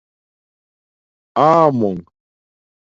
آمُونگ